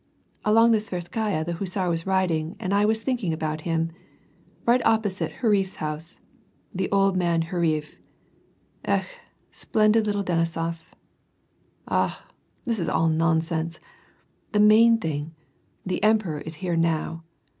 — Along the Tverskaya, this hussar was riding, and I was thinking about him, — right opposite Huriefs house — the old man Hurief — Ekh ! splen did little Denisof ! Ah ! this is all nonsense. The main thing : the emperor is here now